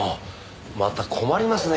また困りますね